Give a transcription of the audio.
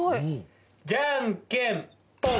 じゃんけんぽん。